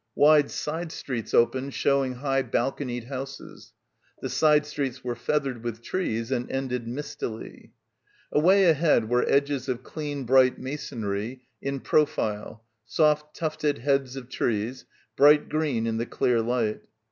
Wide side streets opened showing high balconied houses. The side streets were feathered with trees and ended mistily. Away ahead were edges of clean bright masonry in profile, soft tufted heads of trees, bright green in the clear light.